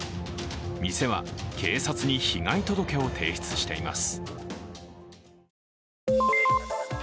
店は警察に被害届を提出しています。